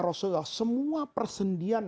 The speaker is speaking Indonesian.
rasulullah semua persendian